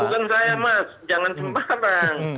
bukan saya mas jangan sempat bang